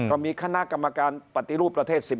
ก็มีคณะกรรมการปฏิรูปประเทศ๑๐